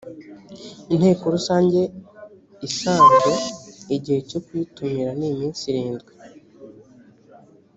inteko rusange isanzwe igihe cyo kuyitumira ni iminsi irindwi